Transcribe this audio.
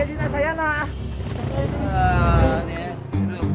jangan jadi nasaiana